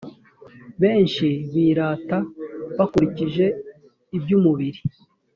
benshi birata bakurikije iby umubiri